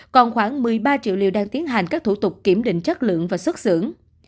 còn khoảng một mươi ba triệu liều đang tiến hành các thủ tục kiểm định chất lượng và xuất xưởng